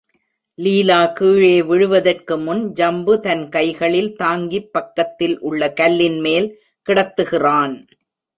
லீலா கீழே விழுவதற்கு முன், ஜம்பு தன் கைகளில் தாங்கிப் பக்கத்தில் உள்ள கல்லின் மேல் கிடத்துகிறான்.